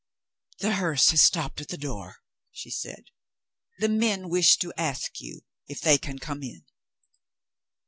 "The hearse has stopped at the door," she said. "The men wish to ask you if they can come in."